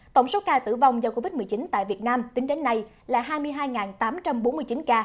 tổng số ca tử vong do covid một mươi chín tại việt nam tính đến nay là hai mươi hai tám trăm bốn mươi chín ca